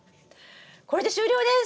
これで終了です！